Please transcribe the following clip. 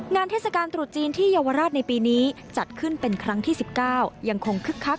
เทศกาลตรุษจีนที่เยาวราชในปีนี้จัดขึ้นเป็นครั้งที่๑๙ยังคงคึกคัก